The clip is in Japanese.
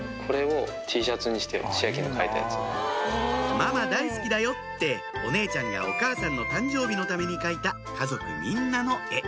「ママ大好きだよ」ってお姉ちゃんがお母さんの誕生日のために描いた家族みんなの絵